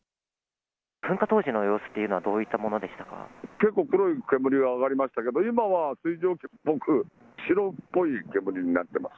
噴火当時の様子っていうのは、結構、黒い煙が上がりましたけれども、今は水蒸気っぽく、白っぽい煙になってます。